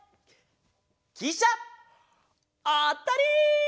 きしゃ！あったり！